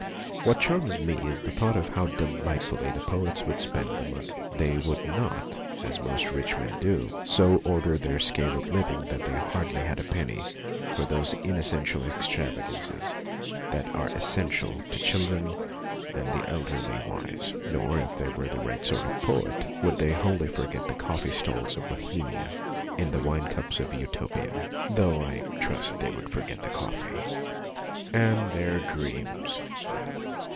What charms me is the thought of how delightfully the poets would spend the money. They would not, as most rich men do, so order their scale of living that they hardly had a penny for those ines sential extravagances that are essential to children and the elderly wise. Nor, if they were the right sort of poet, would they wholly forget the coffee stalls of Bohemia in the wine cups of Utopia, though I trust that they would forget the coffee. And their dreams.